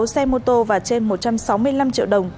sáu xe mô tô và trên một trăm sáu mươi năm triệu đồng